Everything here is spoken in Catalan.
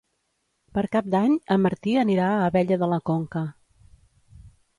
Per Cap d'Any en Martí anirà a Abella de la Conca.